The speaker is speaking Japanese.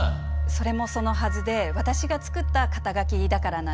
それもそのはずで私が作った肩書だからなんですね。